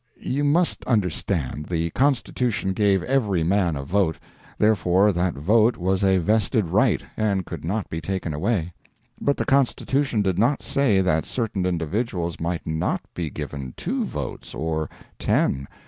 You must understand, the constitution gave every man a vote; therefore that vote was a vested right, and could not be taken away. But the constitution did not say that certain individuals might not be given two votes, or ten!